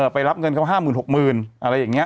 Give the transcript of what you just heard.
ไปรับเงินเขา๕หมื่น๖หมื่นอะไรอย่างนี้